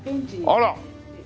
あら！